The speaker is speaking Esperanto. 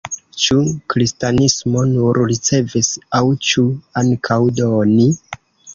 Ĉu kristanismo nur ricevis aŭ ĉu ankaŭ doni?